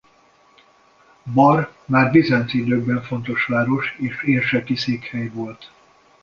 Bar már a bizánci időkben fontos város és érseki székhely volt.